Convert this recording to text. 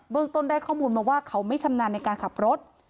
เรื่องต้นได้ข้อมูลมาว่าเขาไม่ชำนาญในการขับรถ